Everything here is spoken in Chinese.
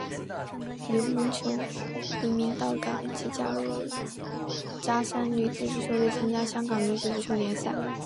刘梦琼移民到港即加入加山女子足球队参加香港女子足球联赛。